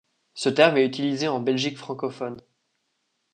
Ce terme est utilisé en Belgique francophone.